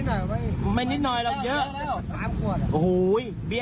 น้ำ่งนะงเฮ้ยเฮ้ย